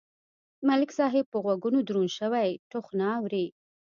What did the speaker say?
ملک صاحب په غوږونو دروند شوی ټخ نه اوري.